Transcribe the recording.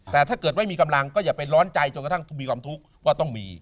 แต่ถ้าเกิดไม่มีกำลังก็อย่าไปร้อนใจจนกระทั่งมีความทุกข์ว่าต้องมี